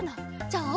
じゃああ